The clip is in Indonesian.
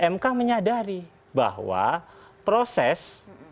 mk menyadari bahwa proses